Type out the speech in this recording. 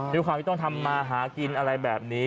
ด้วยความที่ต้องทำมาหากินอะไรแบบนี้